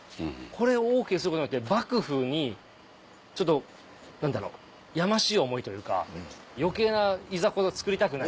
これをＯＫすることによって幕府にちょっと何だろうやましい思いというか余計ないざこざをつくりたくない。